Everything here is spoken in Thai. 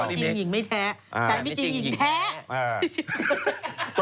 จริงหญิงไม่แท้ใช้ไม่จริงหญิงแท้